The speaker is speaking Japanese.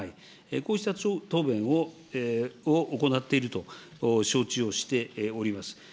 こうした答弁を行っていると承知をしております。